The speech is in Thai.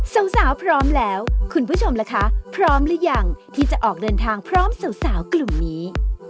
สาวพร้อมแล้วคุณผู้ชมล่ะคะพร้อมหรือยังที่จะออกเดินทางพร้อมสาวกลุ่มนี้